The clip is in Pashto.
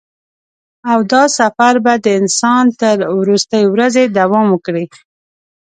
او دا سفر به د انسان تر وروستۍ ورځې دوام وکړي.